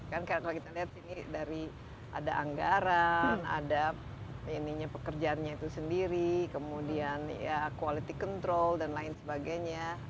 karena kalau kita lihat ini dari ada anggaran ada pekerjaannya itu sendiri kemudian quality control dan lain sebagainya